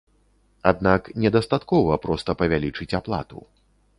Аднак не дастаткова проста павялічыць аплату.